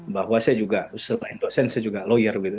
bahwa saya juga selain dosen saya juga lawyer gitu